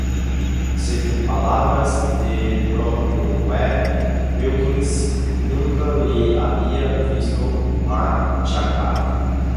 Según palabras del propio Webb, Wilkins nunca le había visto machacar.